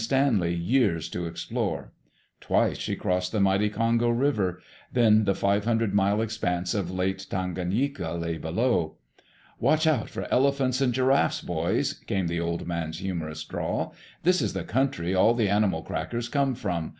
Stanley years to explore. Twice she crossed the mighty Congo River. Then the five hundred mile expanse of Lake Tanganyika lay below. "Watch out for elephants and giraffes, boys," came the Old Man's humorous drawl. "This is the country all the animal crackers come from.